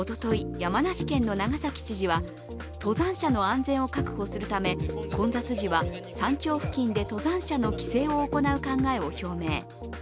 山梨県の長崎知事は登山者の安全を確保するため混雑時は山頂付近で登山者の規制を行う考えを表明。